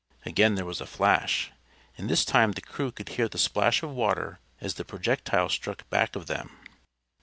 Again there was a flash, and this time the crew could hear the splash of water as the projectile struck back of them.